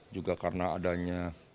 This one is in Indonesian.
juga karena adanya